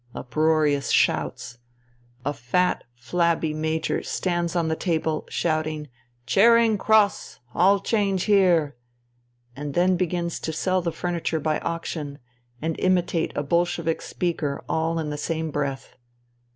Uproarious shouts. A fat, flabby Major stands on the table, shouting " Charing Cross. All change here !" and then begins to sell the furniture by auction and imitate a Bolshevik speaker all in the same breath.